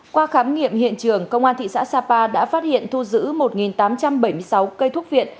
qua khám nghiệm hiện trường công an thị xã sapa đã phát hiện thu giữ một tám trăm bảy mươi sáu cây thuốc viện